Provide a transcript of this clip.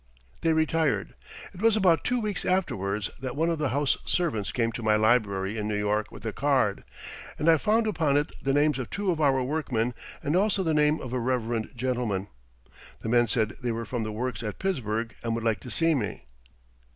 They retired. It was about two weeks afterwards that one of the house servants came to my library in New York with a card, and I found upon it the names of two of our workmen, and also the name of a reverend gentleman. The men said they were from the works at Pittsburgh and would like to see me.